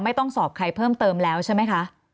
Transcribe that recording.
ไม่ต้องสอบใครเพิ่มเติมแล้วใช่ไหมคะ